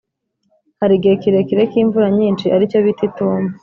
Hari igihe kirekire k’ imvura nyinshi ari cyo bita Itumba.